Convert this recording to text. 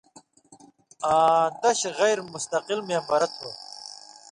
آں دش غیر مُستقل مېمبرہ تھو۔